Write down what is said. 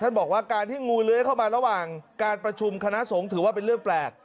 บอกว่าการที่งูเลื้อยเข้ามาระหว่างการประชุมคณะสงฆ์ถือว่าเป็นเรื่องแปลก